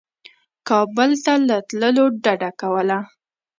کابل ته له تللو ډده کوله.